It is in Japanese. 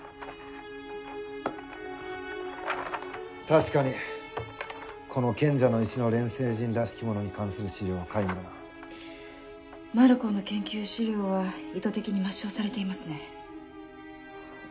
確かにこの賢者の石の錬成陣らしきものに関する資料は皆無だなマルコーの研究資料は意図的に抹消されていますね